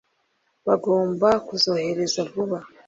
Bagomba kuzorohereza vuba.